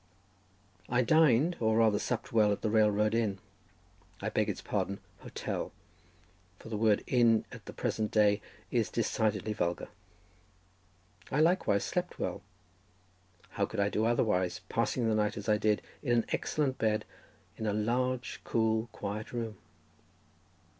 I dined, or rather supped, well at the Railroad Inn—I beg its pardon, Hotel, for the word Inn at the present day is decidedly vulgar. I likewise slept well; how could I do otherwise, passing the night, as I did, in an excellent bed in a large, cool, quiet room?